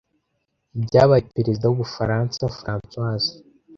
Ibyabaye Perezida w’Ubufaransa Fronsois